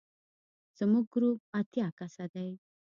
زموږ ګروپ اتیا کسه دی.